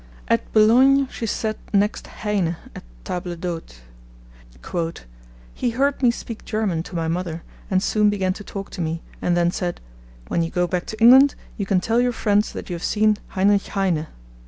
At Boulogne she sat next Heine at table d'hote. 'He heard me speak German to my mother, and soon began to talk to me, and then said, "When you go back to England, you can tell your friends that you have seen Heinrich Heine."